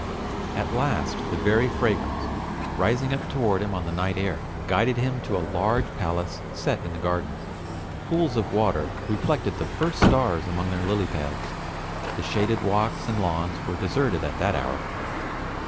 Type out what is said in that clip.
At last the very fragrance, rising up toward him on the night air, guided him to a large palace set in gardens. Pools of water reflected the first stars among their lilypads. The shaded walks and lawns were deserted at that hour.